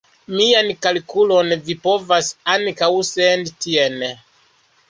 Mian kalkulon vi povas ankaŭ sendi tien.